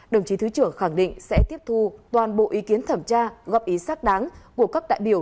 đồng chí thứ trưởng khẳng định sẽ tiếp thu toàn bộ ý kiến thẩm tra góp ý xác đáng của các đại biểu